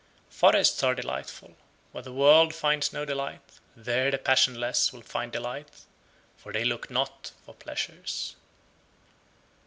99. Forests are delightful; where the world finds no delight, there the passionless will find delight, for they look not for pleasures.